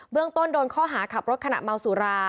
เรื่องต้นโดนข้อหาขับรถขณะเมาสุรา